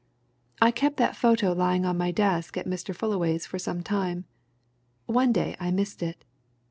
I kept that photo lying on my desk at Mr. Fullaway's for some time. One day I missed it.